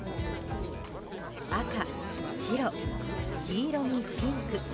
赤、白、黄色にピンク。